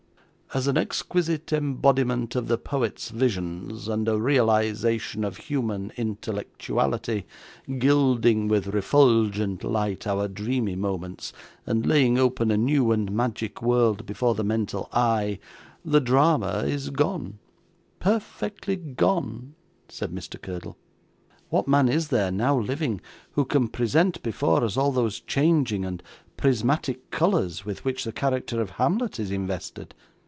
'As an exquisite embodiment of the poet's visions, and a realisation of human intellectuality, gilding with refulgent light our dreamy moments, and laying open a new and magic world before the mental eye, the drama is gone, perfectly gone,' said Mr. Curdle. 'What man is there, now living, who can present before us all those changing and prismatic colours with which the character of Hamlet is invested?